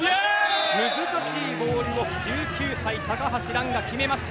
難しいボールを１９歳、高橋藍が決めました。